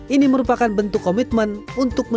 ini merupakan bentuk komitmen untuk mendukung ekosistem